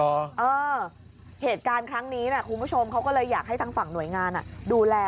เออเหตุการณ์ครั้งนี้นะคุณผู้ชมเขาก็เลยอยากให้ทางฝั่งหน่วยงานดูแล